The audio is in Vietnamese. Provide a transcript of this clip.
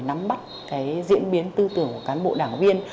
nắm bắt cái diễn biến tư tưởng của cán bộ đảng viên